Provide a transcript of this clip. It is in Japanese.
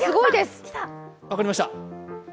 分かりました。